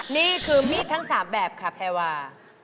นี่คือมีดทั้ง๓แบบค่ะแพรวา